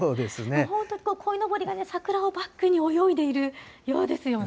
本当にこいのぼりが桜をバックに泳いでいるようですよね。